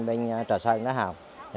bên trà sơn đã học